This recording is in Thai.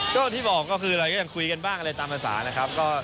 ก็ที่บอกก็คือเราก็ยังคุยกันบ้างอะไรตามภาษานะครับ